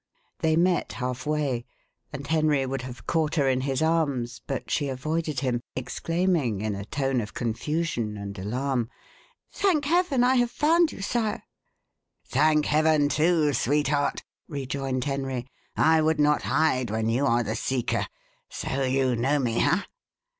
They met half way, and Henry would have caught her in his arms, but she avoided him, exclaiming, in a tone of confusion and alarm, "Thank Heaven, I have found you, sire!" "Thank Heaven, too, sweetheart!" rejoined Henry. "I would not hide when you are the seeker. So you know me ha?